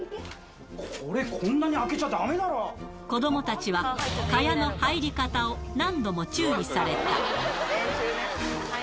これ、こんなに開子どもたちは、蚊帳の入り方を何度も注意された。